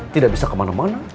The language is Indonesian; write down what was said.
tidak bisa kemana mana